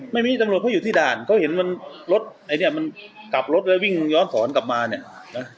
ไม่มีตำรวจเขาอยู่ที่ด่านเขาเห็นรถกลับรถแล้ววิ่งย้อนสอนกลับมาเนี่ย